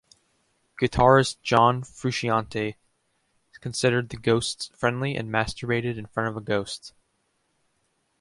Guitarist John Frusciante considered the ghosts friendly and masturbated in front of a ghost.